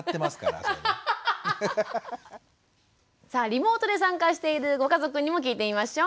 さあリモートで参加しているご家族にも聞いてみましょう。